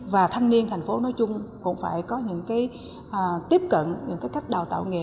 và thanh niên thành phố nói chung cũng phải có những cái tiếp cận những cách đào tạo nghề